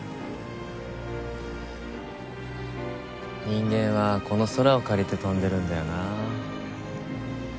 人間はこの空を借りて飛んでるんだよなあ。